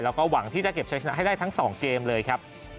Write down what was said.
แล้วก็หวังที่จะเก็บใช้ชนะให้ได้ทั้ง๒เกมเลยครับ